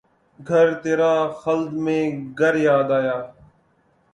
گھر ترا خلد میں گر یاد آیا